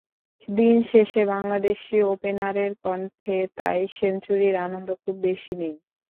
দিন শেষে বাংলাদেশি ওপেনারের কণ্ঠে তাই সেঞ্চুরির আনন্দ খুব বেশি নেই।